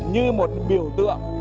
như một biểu tượng